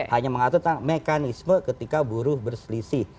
hanya mengatur mekanisme ketika buruh berselisih